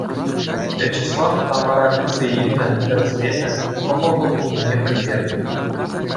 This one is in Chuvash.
Вячеслав тавара кӗтсе илнӗ, тӗрӗсленӗ, кӑмӑллӑ пулнине пӗлтернӗ.